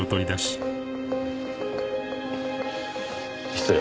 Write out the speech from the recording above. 失礼。